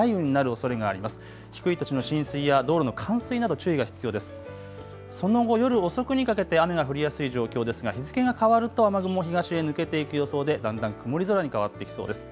その後、夜遅くにかけて雨が降りやすい状況ですが日付が変わると雨雲、東へ抜けていく予想でだんだん曇り空に変わっていきそうです。